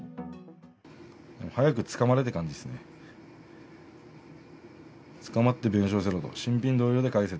早く捕まれって感じですね。